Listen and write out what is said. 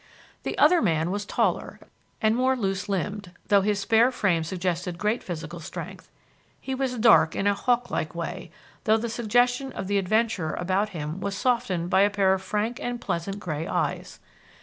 The other man was taller, and more loose limbed, though his spare frame suggested great physical strength. He was dark in a hawk like way, though the suggestion of the adventurer about him was softened by a pair of frank and pleasant grey eyes.